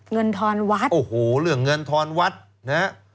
เงินทรวจโอ้โหเรื่องเงินทรวจ